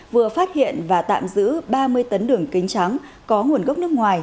vừa phát hiện và tạm giữ ba mươi tấn đường kính trắng có nguồn gốc nước ngoài